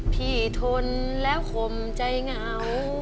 ทนแล้วข่มใจเหงา